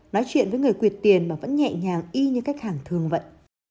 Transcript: nói chuyện với người quyệt tiền mà vẫn nhẹ nhàng y như khách hàng thường vận